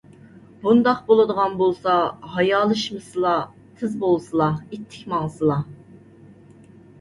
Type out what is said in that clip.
بۇنداق بولىدىغان بولسا ھايالشىمىسىلا، تېز بولسىلا! ئىتتىك ماڭسىلا.